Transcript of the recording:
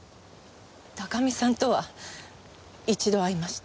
高見さんとは一度会いました。